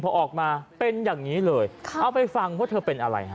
พอออกมาเป็นอย่างนี้เลยเอาไปฟังว่าเธอเป็นอะไรฮะ